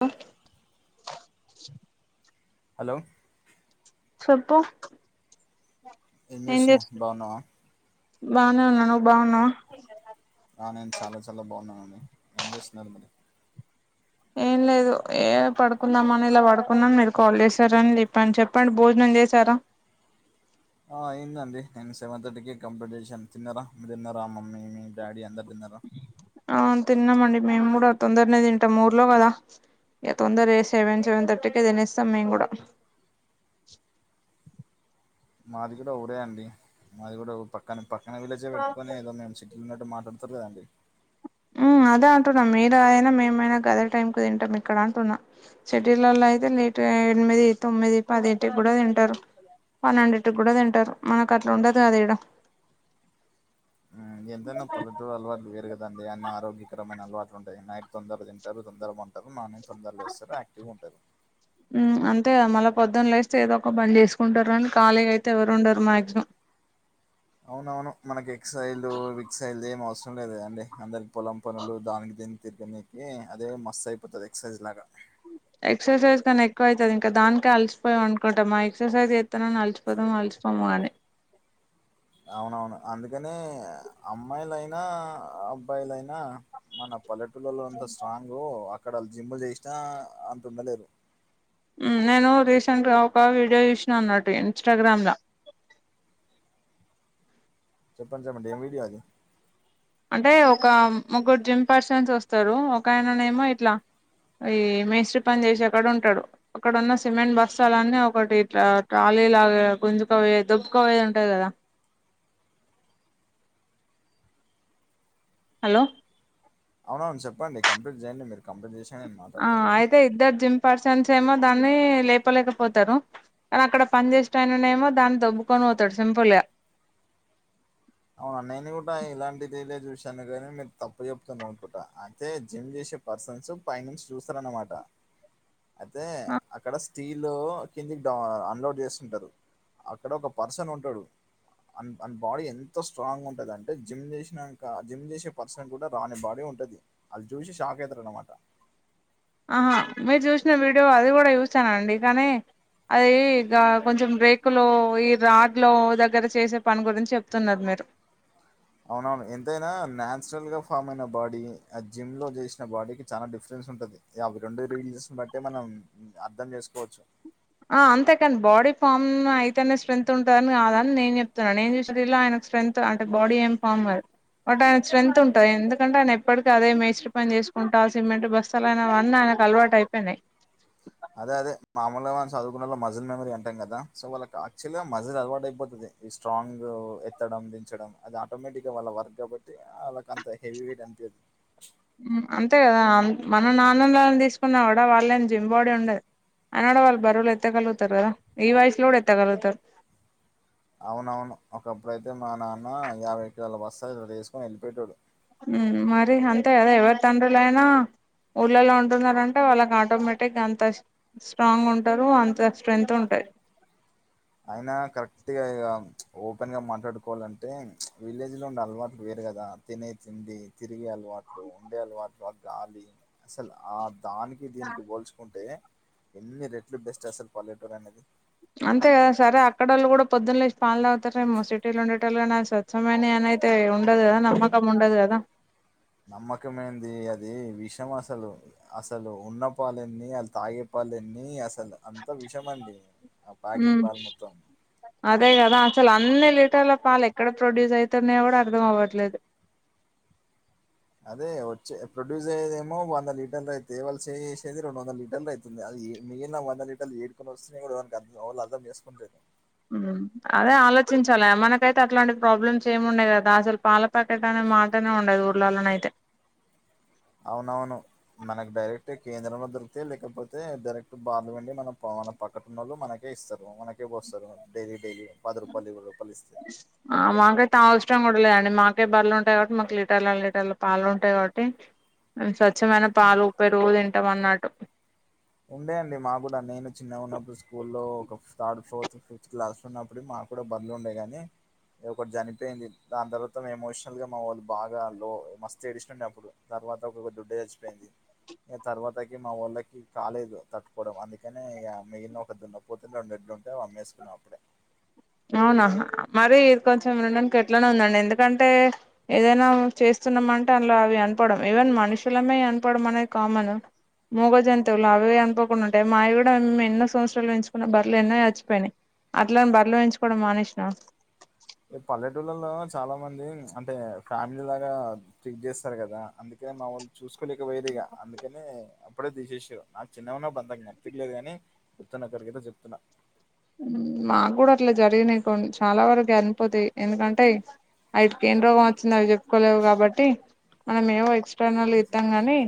ఆ హలో చెప్పు ఎం చేస్తున్నావ్ బావున్నావ? నే ఉన్నాను బావున్నా ఆ నేను చాలా చాలా బావున్నానండి ఏం చేస్తున్నారు మరి? ఏం లేదు ఏ పడుకుందాం అని ఇలా పడుకున్నాను. మీరు కాల్ చేశార అని చెప్పండి చెప్పండి భోజనం చేశారా? ఆ అయిందండి నేను సెవెన్ థర్టీ కి కంమ్ప్లీట్చేసాను తిన్నారా మీ తిన్నారా మమ్మీ, మీ డాడీ అందరు? తిన్నారా అవును తిన్నామండి మేము కూడా తొందరనే తింటాము ఊర్లో కదా. ఏ తొందరే సెవెన్ సెవెన్ థర్టీ కే తినస్తాం మేము కూడా మాది కూడా ఒకడే అండి మాది కూడా పక్క పక్కన విలేజే పెట్టుకుని ఏదో మే ఇలున్నట్టు మాట్లాడతారు కదండి ఉమ్ అదే అంటున్నాం మీరు అయినా, మేమైనా గదే టైం కు తింటాం ఇక్కడ అంటున్నాం షడ్యూల్లో అయితే లేట్ ఎనిమిది తొమ్మిది పదింటికి కూడా తింటారు. పన్నెండింటికి కూడా తింటారు మనకు అట్లా ఉండదు కదా ఈడ ఎంతైనా పల్లటూరు అలవాట్లు వేరు గదండి అన్ని ఆరోగ్యకరము. ఏమైనా అలవాట్లు ఉంటాయి నైట్ తొందరగా తింటారు. తొందరగా పంటారు మా తొందర లేస్తారు యాక్టివ్గా ఉంటుంది. అంతేగా మళ్ళా పొద్దున్న లేస్తే ఏదో ఒక పని చేసుకుంటారు అని ఖాళీగా అయితే ఎవరు ఉండరు మాక్సిమం. అవునవును మనకి ఎక్సైల్ విక్సైల్ ఏం అవసం ఇష్టం లేదగా అండి అందరికి పొలం పనులు దానికి దీన్ని తిరిగడానికి అదే మస్తు అయిపోతుంది ఎక్సర్సైజ్ లాగా ఎక్సర్సైజ్ కానీ ఎక్కువ అయితది. ఇంకా దానికి అలిసిపోయిం అనుకుంటామా ఎక్సర్సైజ్ ఎస్తన్నానని అలిసిపోదాం అసి స్తామానే అవునవును అందుకనే అమ్మాయిలయినా, అబ్బాయిలయినా మనం పల్లెటూలలో అంత స్ట్రాంగు అక్కడ వాళ్ళు జిమ్లు చేసినా అంత ఉండలేరు. ఉమ్ నేను రీసెంట్గా ఒక వీడియో చూసినాను అన్నటు ఇన్స్టాగ్రామ్ ల చెప్పండి చెప్పండి ఏం వీడియో అది? అంటే ఒక ముగ్గురు జిమ్ పర్సన్స్ వస్తారు. ఒక ఆయననేమో ఇట్లా ఈ మేస్త్రి పని చేసెటోడు ఉంటాడు అక్కడ ఉన్న సిమెంట్ బస్సాలన్నీ ఒకటి ఇట్లా ట్రాలీ ఇలాగా గుంజుకావవి దుబ్బకావొయేది ఉంటాది కదా హలో అవున అవును చెప్పండి కంప్లీంట్ చేయండి మీరు కంప్లీంట్ చేశని నేను ఆ మాట్లాడతాను. అయితే ఇద్దరు జిమ్ పర్సన్స్ ఏమో దాని లేపలేకపోతారు కానీ అక్కడ పని చేసటయన ఏమో దాన్ని దబ్క పోతాడు సింపుల్గా అవును నేను కూడా ఇలాంటిదిలే చూశాను గానీ మీరు తప్పు చెప్తున్నారు అనుకుంట అయితే జిమ్ చేసి పర్సన్స్ పై నుంచి చూస్తారనమాట అయితే ఆ అక్కడ స్టీల్లో కిందికిడ అన్లోడ్ చేస్తుంటారు అక్కడ ఒక పర్సన్ ఉంటడు అ అన్ బాడీ ఎం ఎంతో స్ట్రాంగ్ ఉంటది అంటే జిమ్ చేసినంక జిమ్ చేసే పర్సనికి కూడా రాని బాడీ ఉంటది అది జూసి షాక్ అయితారు అనమాట ఆహా మీరు చూసిన వీడియో అది కూడా చూస్తానండి కానీ అది ఇ కొంచెం బ్రేకులో ఈ రాడ్లో దగ్గర చేసే పని గురించి చెప్తున్నారు మీరు అవునవును ఎంతైనా నాచురల్గా ఫామ్ అయిన బాడీ ఆ జిమ్ లో చేసిన బాడీకి చాలా డిఫరెన్ట్ ఉంటది అవి రెండు రిలిజస్ బట్టే మనం అర్ధం చేసుకోవచ్చు ఆ అంతేకాని బాడీ ఫామ్ అయితేనే స్ట్రెంత్ ఉంటదని కాదని నేను చెప్తన నేను చూసేలా ఆయన స్ట్రెంత్ అంటే బాడీ ఏం ఫామ్ దు బట్ ఆయన స్ట్రెంత్ ఉంటది ఎందుకంటే ఆయన ఎప్పటికి అదే మేస్త్రి పని చేసుకుంటా సిమెంట్ బస్తలుయిన అన కల్వా టైపనేయ్ చదువుకున్నల్లో మజిల్ మెమరీ అంటాం కద సో వాళ్ళ ఆక్చువల్గా మజిల్ అలవాటు అయిపోతుంది ఈ స్ట్రాంగ్ డం దించడం అది ఆటోమేటిక్గా వాళ్ళ వర్క్ కాబట్టి వాళ్ళకి అంత హెవీ వెయిట్ అంతేది అంతే కదా మన నాన్నని తీసుకున్నా కూడా వాళ్ళ జిమ్ బాడీ ఉండది అయిన గూడ వాళ్ళు బరువులు ఎత్తగలుగుతారు కదా ఈ వయసులో కూడ ఎత్తగలుగుతారు అవునవును ఒకప్పుడు అయితే మా నాన్న యాభై కిలోల బస్స్తా ఇలా తీసుకుని వెళ్ళిఫోటోడు ఉమ్ మరి అంతే కదా ఎవరి తండ్రులయినా ఊళ్ళల్లో ఉంటున్నారంటే వాళ్ళకి ఆటోమేటిక్గా అంత స్ట్రాంగ్ ఉంటరు అంత స్ట్రెంత్ ఉంటది అయినా కరెక్ట్ గా ఇ ఓపెన్గా మాట్లాడుకోలంటే విలేజ్లో ఉండే అలవాటు వేర్ కదా తినే తిండి తిరిగే అలవాట్లు ఉండే అలవాట్లు గాలి అసలు ఆ దానికి దీనికి పోల్చుకుంటే ఎన్ని రెట్లు బెస్ట్ అసలు పల్లెటూరు అనేది అంతే కదా సరే అక్కడళ్ళు కూడా పొద్దున్ లేసి పాలు తాగుతారేమో సిటీలు ఉండేటలుగా నా స్వచ్ఛమైన అనైతే ఉండదు కదా నమ్మకం ఉండదు కద నమ్మకం ఏంది అది విషం అసలు అసలు ఉన్న పాలేన్ని అది తాగే ప పాలెన్ని అస్ అసలు అంత విషమ అండి ఆ ప్యాకెట్ మ్ పాలు మొత్తం అదే కదా అసలు అన్ని లీటర్ల పాలు ఎక్కడ ప్రొడ్యూస్ అయితున్నయో కూడా అర్థం అవ్వట్లేదు అదే వచ్చే ప్రొడ్యూస్ అయేదేమో వంద లీటర్లు అయితే వాళ్ళ చేసేది రెండు వందల లీటర్లు అయితుంది మిగిలిన వంద లీటర్లు ఈవడుకొ వస్తే కూడావ అర్థం చేసుకుంటలేదు ఉ అదే ఆలోచించాల మనకైతే అట్లాంటి ప్రాబ్లమ్స్ ఏమి ఉన్నాయి కదా అసలు పాల పాకెట్నే మాటనే ఉండదు ఊర్లల్లనైతే అ అవునవును మనకు డైరెక్ట్ కేంద్రంలో దొరికితే లేకపోతే డైరెక్ట్ బార్లు వెండి మనం మన పక్కటున్నళ్ళు మనకే ఇస్తరు మనకే పోస్తరు డైలీ డైలీ రూపాయలు, రూపాయలు ఇస్తే. ఆ మాకైతే ష్టం కూడా లేదు అండి మాకే బర్రెలు ఉంటాయి కాబట్టి మాకు లీటర్ల లీటర్ల పాలు ఉంటాయి కాబట్టి చ్చమైన పాలు పెరుగు తింటాం అన్నట్టు ఉండే అండి మా గూడా నేను చిన్నగ ఉన్నప్పుడు స్కూల్లో ఒక థర్డ్ ఫోర్త్ ఫిఫ్త్ క్లాస్ ఉన్నప్పుడు మాకు కూడా భార్లుండే కానీ ఒకటి చనిపోయింది దాని తర్వాతము ఎమోషనల్ గా మా వాళ్ళు బాగా లో మస్త్ ఏడిస్నండే అప్పుడు తర్వాత ఒకొ దుడ్డు చచ్చిపోయింది తర్వాతకి మా వాళ్ళకి కాలేదు తట్టుకోవడం అందుకని ఇక మిగిలిన ఒక దన్న పోతుని రెండు ఎడ్లు ఉంటే అమ్మేసుకునం అప్పుడే అవునా మరి కొంచెం ఉండ్నికి ఎట్లనే ఉందండి ఎందుకంటే ఏదైనా చేస్త స్తున్నా అంటే అందులో అవి అనపడం ఈవెన్ మనుషులమే అనపడం అనేది కామన్ మూగ జంతువులు అవి అనుకోకుండా ఉంటాయి మావి కూడా మేము ఎన్నో సంవత్సరాలు ఎంచుకున్నా బ్రలు ఎన్నో అయాచిపోయినాయి అట్లని బర్లో పెంచుకోవడం మానేస్నామ పల్లెటూళ్లలో చాలా మంది అంటే ఫ్యామిలీ లాగా టక్ చేస్తారు కదా అందుకే మా వాళ్ళు చూసుకోలేక పోయదిేగా అందుకనే అప్పుడే తీసేసారు నాకు చిన్న ఉన్నడుందా అర్ధంకాలే పెళ్ళయానే గుర్తున్నావారకైతే చెప్తున్నా మాకు కూడా అట్లా జరిగినయి కొం చాలా వరకు చనిపోతాయి ఎందుకంటే అయటికి ఏం రోగం వచ్చింది అవి చెప్పుకోలేవు కాబట్టి మనం ఏవో ఇచ్చ ణలు ఇస్తాం గాని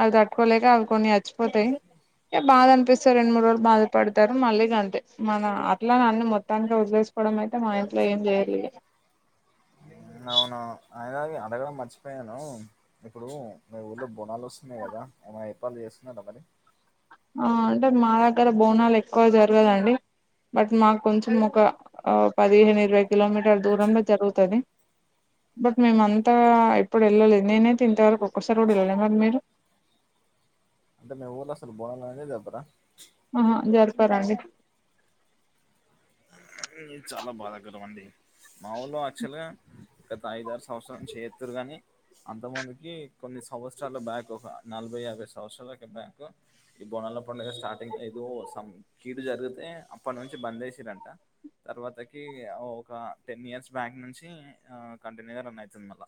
అవి తట్టుకోలేక అవి కొన్ని అచ్చిపోతాయి ఏ బాధ అనిపిస్త సో రెండ్మూడ్ రోలు బాధపడతారు మళ్ళీ గంతే మన అట్లా అన్న మొత్తానికి వదిలేసుకోవడం అయితే మా ఇంట్లో ఏం చేయరులే అవును అయన అడగడం మర్చిపోయాను ఇప్పుడు మీ ఊర్లో బోనాల్ వస్తున్నాయి కదా అ ఎప్పాలు చేస్తున్నారా మరి ఆ అంటే మా దగ్గర బోనాలు ఎక్కువ జరగదండి బట్ మాకు కొంచెం ఒక పదిహేను ఇరవై కిలోమీటర్ దూరంలో జరుగుతది బట్ మేమంతా ప్పుడెళ్ళలేదు నేనైతే ఇంతవరకు ఒక్కసారి కూడా వెళ్ళలే మరి మీరు అంటే మీ ఊర్లో అస్సలు బోనాలనేది జరుపరా పరండి ఇది చాలా బాధాకరం అండి మా ఊళ్ళో యాక్చువల్ గా గత ఐదారు సంవత్సరల నుంచి చేత్తుర్రు గాని అంతమందికి కొన్ని సంవత్సరాల్లో బ్యాక్ ఒక నలభై యాభై సంవత్సరాలకి బ్యాక్ ఈ బోనల పండగ స్టార్టింగ్ ఎదో సం కీడు జరుగుతే తే అప్పటి నుంచి బంద్ చేసిర్రంట తర్వాతకి ఒక టెన్ ఇయర్స్ బ్యాక్ నుంచి ఆ కంటిన్యూగా రన్ అయితుంది మళ్ళా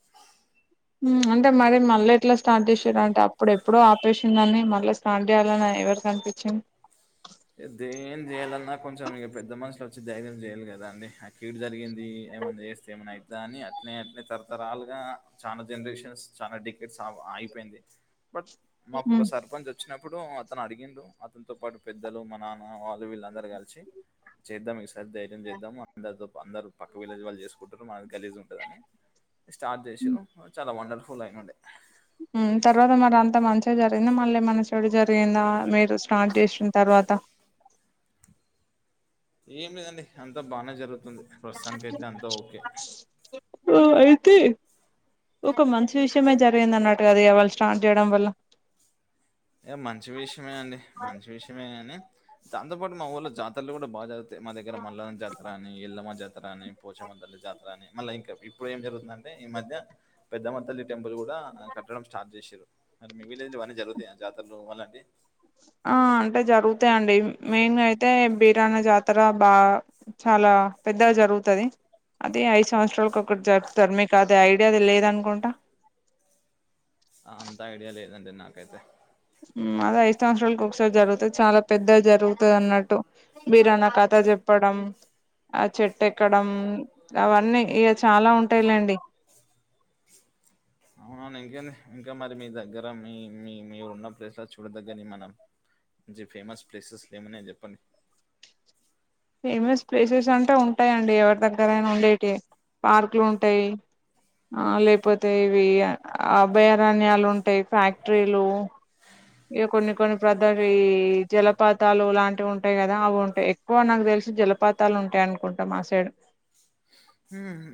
అంటే మరి మళ్ళీ ఎట్లా స్టార్ట్ చేసిర్రు అంటే అప్పుడెప్పుడో ఆపేసిందని మళ్ళీ స్టార్ట్ చేయాలని ఎవరికనిపిచ్చింది ది ఏం చేయ్యాలన్నా కొంచెం ఇక పెద్ద మనుషులు వచ్చి ధైర్యం చేయాలి కదా అండి ఆ కీడు జరిగింది ఏమన్నా చేస్తే ఏమన్నా అయితదా అని అట్నే అట్నే తరతరాలుగా చానా జనరేషన్స్ చానా టికెట్స్ అయిపోయింది బట్ మాకు ఒక హ్మ్. సర్పంచ్ వచ్చినప్పుడు అతను అడిగిండు అతనితో పాటు పెద్దలు మా నాన్న వాళ్ళు వీళ్ళందరూ కలిసి చేద్దాం సరి ధైర్యం చేద్దాము అందరితో అందరు పక్క విలేజ్ వాళ్ళు చేసుకుంటారు మనకు గలీజ్ ఉంటదని స్టార్ట్ చేసిర్రు చాలా వండర్ఫు ఫుల్ అయ్నుండే మ్ తర్వాత మరి అంత మంచిగా జరిగింది మళ్ళీ మనసు కీడు జరిగిందా మీరు స్టార్ట్ చేసిన తర్వాత ఏం లేదండి అంతా బానే జరుగుతుంది ప్రస్తుతానికి అయితే అంతా ఓకే తే ఒక మంచి విషయమే జరిగిందన్నట్టుగ అది ఇగ వాళ్ళు స్టార్ట్ చేయడం వల్ల ఇగ మంచి విషయమే అండి మంచి విషమే గనీ దాంతోపాటు మా ఊళ్లో జాతర్లు గుడా బా జరుగు తయి మా దగ్గర మల్లన్న జాతరా అని ఎల్లమ్మ జా తరా అని పోచమ్మ తల్లి జాతరా అని మళ్ళ ఇంకా ఇప్పుడు ఏం జరుగుతుందంటే ఈ మధ్య పెద్దమ్మ తల్లి టెంపుల్ గుడా కట్టడం స్టార్ట్ చేసింన్రు మరి మీ విలేజ్లో ఇవన్ని జరుగుతయా జాతర్లు అలాంటియి ఆ అంటే జరుగుతయండి మెయిన్గా అయితే బిరాన జాతర బాగా చాలా పెద్దగ జరుగుతది. అది ఐదు సంవత్సరాలకొకర్ జరుప్తారు మీకది ఐడియా లేదనుకుంటా ఆ అంతా ఐడియా లేదండి నాకైతే అది ఐదు సంవత్సరాలకొక్సారి జరుగుతద్ చాలా పెద్దది జరుగుతదన్నట్టు బిరానా ఖాతా జెప్పడం ఆ చెట్ ఎక్కడం అవన్నీ ఇగ చాలా ఉంటయి లేండి. అవున అవును ఇంకేంది ఇంకా మరి మీ దగ్గర మీ మీ మీరున్న ప్లేస్ల చూడదగ్గని మనం మంచిగ ఫేమస్ ప్లేసెస్ ఏమున్నయి చెప్పండి. ఫేమస్ ప్లేసెస్ అంటే ఉంటయండి ఎవరి దగ్గరైనా ఉండేటియే పార్కులుంటయి ఆ లేక్పోతే ఇవి అభయారణ్యాలు ఉంటయి ఫ్యాక్టరీలు ఇగ కొన్ని కొన్ని ప్రదరీ జలపాతాలు లాంటివ్ ఉంటయి గదా అవుంటయి. ఎక్కువ నాక్ తెల్ జలపాతాలుంటయి అనుకుంట మా సైడ్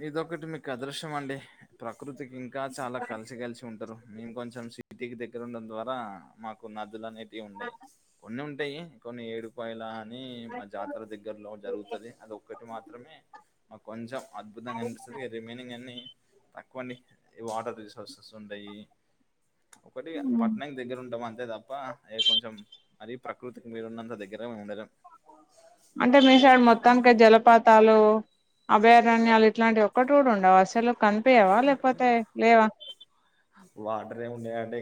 ఇదొకటి మీక్ అదృశ్యం మండి ప్రకృతికి ఇంకా చాలా కల్సి కల్సి ఉంటరు. మేం కొంచం సిటీకి దగ్గర ఉండం ద్వారా మాకు నదులు అనేటియి ఉండయి కొన్ని ఉన్ టయి కొన్ని ఏడుపాయల అని మా జాతర దగ్గర్లో జరుగుతది అది ఒక్కటె మాత్రమే మాక్ కొంచం అద్భుతంగా అనిపిస్తది రిమైనింగ్ అన్నీ తక్కువండి వాటర్ ఈ రిసోర్సెస్ ఉండయి. కొద్దిగ హ్మ్. పట్నంకి దగ్గరుంటం అం తే తప్ప ఇగ కొంచెం మరి ప్రకృతికి మీరున్నంత దగ్గర మేం ఉండలేం. అంటే మీ సైడ్ మొత్తానికే జలపాతాలు అభయారణ్యాలు ఇట్లాంటివ్ ఒక్కటి గుడా ఉండవ అసలు కన్పియవా లేకపోతే లేవా?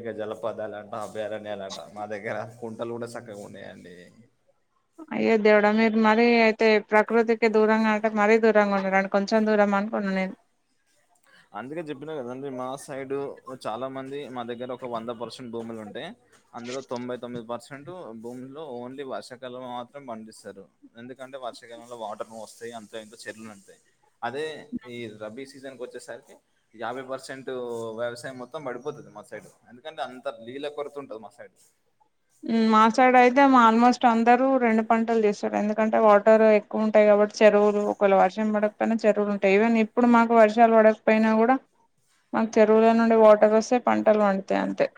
ఇగ జలపాతాలన్న, అభయారణ్యాలన్న మా దగ్గర కుంటలు గుడా సక్కగుండయండీ. అయ్యో దేవుడ మీర్ మరీ అయితే ప్రకృతికి దూరంగా అంటే మరీ దూరంగా ఉన్నరండి కొంచం దూరమ అనుకున్న నేన్ అందుకే చెప్పిన కదండి మా సైడ్ చాలా మంది మా దగ్గర ఒక వంద పర్సెంట్ భూములుంటే అందులో తొంభై తొమ్మిది పర్సెంట్ భూముల్లో ఓన్లీ వర్షాకాలం మాత్రం పండిస్తరు ఎందుకం కంటే వర్షాకాలంలో వాటరు వస్తయి అంతో ఇంతో చెర్లు నిండుతయి. అదే ఈ రబీ సీజన్ వచ్చేసరి కి యాభై పర్సెంట్ వ్యవసాయం మొత్తం పడిపోతది మా సైడు ఎందుకంటే అంత నీళ్ళ కొరత ఉంటది మా సైడ్ మ్ మా సైడ్ అయితే ఆల్మోస్ట్ అందరూ రెండు పంటల్ చేస్తరు ఎందుకంటే వాటర్ ఎక్కువుంటయిగ కాబట్టి చెరువులు ఒకవేళ వర్షం పడక్పోయినా చెరువులుంటయి. ఈవెన్ ఇప్పుడు మాకు వర్షాల్ పడక్పోయినా గుడ మాక్ చెరువుల నుండి వాటర్ వస్తయి పంటల్ పండుతయి అంతే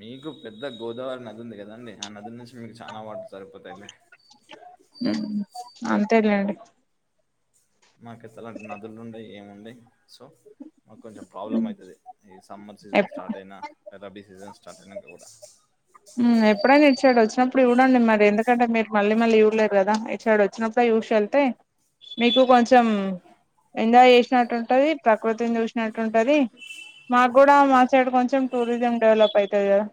మీకు పెద్ద గోదావరి నదుంది కదండి ఆ నది నుంచి మీకు చాలా వాటర్ సరిపోతయిలే అంతేలేండి. మాకు ఇసలాంటి నదులు ఉండయి ఏముండే సో మాకు కొంచెం ప్రాబ్లమ్ అయితది. ఈ సమ్మర్ సీజన్ స్టార్ట్ అయినా రబ్బీ సీజన్. చంటనంగా కూడా ఎప్పుడైనా ఇటు సైడ్ వచ్చినప్పుడు చూడండి మరి ఎందుకంటే మీరు మళ్ళీ మళ్ళీ ఇవ్వలేరు కదా ఇటుసైడ్ వచ్చినప్పుడు యూసి వెళ్తే మీకు కొంచెం ఎంజాయ్ చేసినట్టు ఉంటది, ప్రకృతిని చూసినట్టు ఉంటది. మాకు కూడా మా సైడ్ కొంచెం టూరిజం డెవలప్ అయితది కదా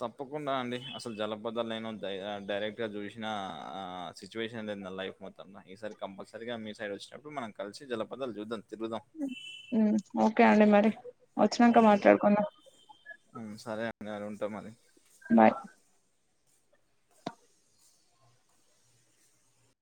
తప్పకుండా అండి అసలు జలపదాలు నేను దయ డైరెక్ట్ గా చూసిన ఆ సిచ్యువేషన్ దేన లైఫ్ మత్రం ఈ సారి కంపల్సరీగా మీ సైడ్ వచ్చినప్పుడు మనం కలిసి జలపదాలు చూద్దాం. తిరుగుదాం మ్ ఓకే అండి మరి. వచ్చినాంక ఉమ్, మాట్లాడుకుంద నెల ఉంటాం మరి బాయ్